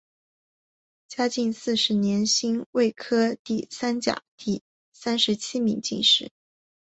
嘉靖四十年辛未科第三甲第三十七名进士。